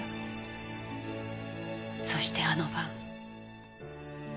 そしてあの晩。